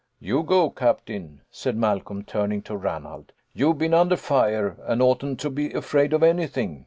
"You go, captain," said Malcolm, turning to Ranald. " You've been under fire, and oughtn't to be afraid of anything.